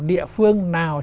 địa phương nào